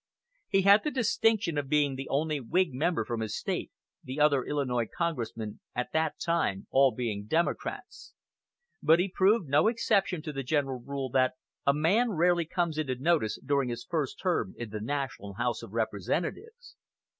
He had the distinction of being the only Whig member from his State, the other Illinois congressmen at that time all being Democrats; but he proved no exception to the general rule that a man rarely comes into notice during his first term in the National House of Representatives.